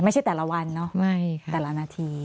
ไม่ใช่แต่ละวันเนอะแต่ละนาที